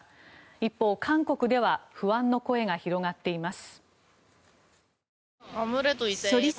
一方、韓国では不安の声が広がっています。